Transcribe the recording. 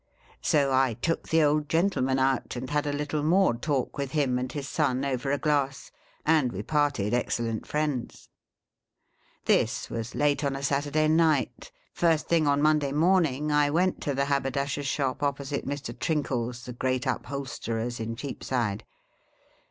So I took the old gentleman out, and had a little more talk with him and his son, over a glass, and we parted ex cellent friends. " This was late on a Saturday night. First tiling on the Monday morning, I went to the haberdasher's shop, opposite Mr. Trinkle's, the great upholsterer's in Cheapside.